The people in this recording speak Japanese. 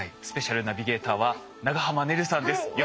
スペシャルナビゲーターは長濱ねるさんです。